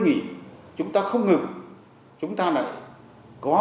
và là chúng tôi là tổ chức của các nước